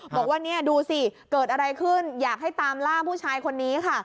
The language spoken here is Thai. บอกว่าเนี่ยดูสิเกิดอะไรขึ้นอยากให้ตามล่าผู้ชายคนนี้ค่ะ